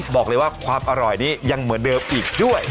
บอกเลยว่าความอร่อยนี้ยังเหมือนเดิมอีกด้วย